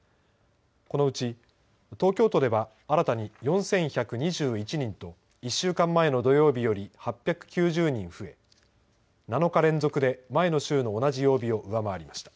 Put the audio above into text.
このうち東京都では新たに４１２１人と１週間前の土曜日より８９０人増え７日連続で前の週の同じ曜日を上回りました。